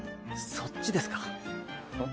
そっちですか？